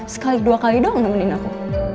sekali dua kali doang nemenin aku